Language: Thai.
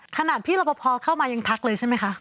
ขนาดพี่รับประพอเข้ามายังทักเลยใช่ไหมคะ